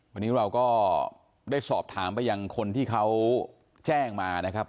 วันนี้เราก็ได้สอบถามกับคนที่เขาแจ้งมา